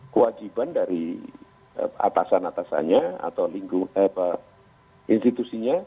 kewajiban dari atasan atasannya atau lingkungan apa institusinya